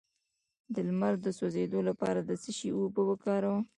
د لمر د سوځیدو لپاره د څه شي اوبه وکاروم؟